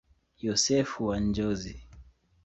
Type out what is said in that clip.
Yosefu wa Njozi.